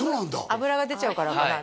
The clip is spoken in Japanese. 脂が出ちゃうからかな？